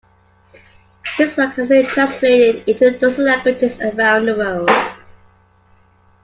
His work has been translated into a dozen languages around the world.